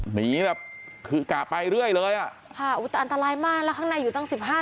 หนีแบบคือกะไปเรื่อยเลยอ่ะค่ะอุ้ยแต่อันตรายมากแล้วข้างในอยู่ตั้งสิบห้า